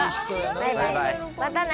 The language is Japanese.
バイバイまたね。